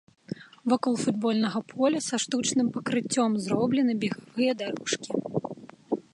Вакол футбольнага поля са штучным пакрыццём зроблены бегавыя дарожкі.